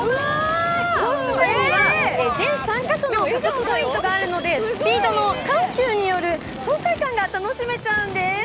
全３か所の加速ポイントがあるのでスピードの緩急による爽快感が楽しめちゃうんです。